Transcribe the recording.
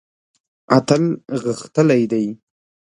اتل غښتلی دی.